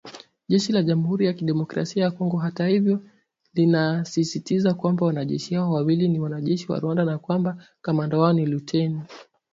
Jeshi la jamuhuri ya kidemokrasia ya Kongo hata hivyo linasisitiza kwamba wanajeshi hao wawili ni wanajeshi wa Rwanda na kwamba kamanda wao ni Luteni